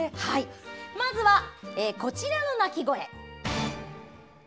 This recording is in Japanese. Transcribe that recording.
まずは、こちらの鳴き声。